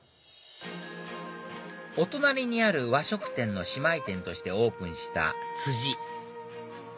お隣にある和食店の姉妹店としてオープンしたＴＳＵＪＩ